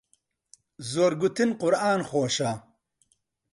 زۆر گۆتن قورئان خۆشە.